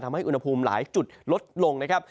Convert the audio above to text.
ทำให้อุณหภูมิหลายจุดลดลงนะครับ